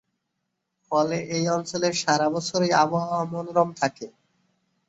ফলে এই অঞ্চলে সারা বছরই আবহাওয়া মনোরম থাকে।